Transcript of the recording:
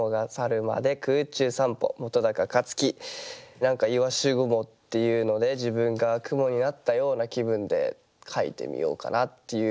何か「鰯雲」っていうので自分が雲になったような気分で書いてみようかなっていう。